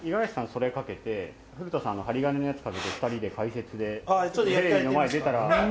それかけて古田さんあの針金のやつかけて２人で解説でテレビの前出たら。